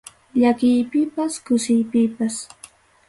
Llakiypipas, kusiypipas.